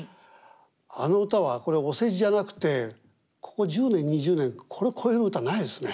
あの歌はこれお世辞じゃなくてここ１０年２０年これ超える歌ないですね。